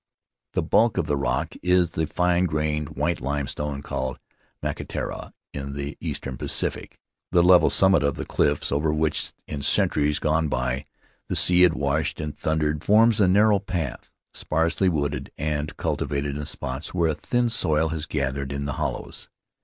The bulk of the rock is the fine grained white limestone called makatea in the eastern Pacific. The level summit of the cliffs, over which, in centuries gone by, the sea had washed and thundered, forms a narrow plain, sparsely wooded and cultivated in spots where a thin soil has gathered in the hollows.